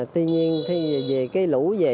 tuy nhiên về cái lũ về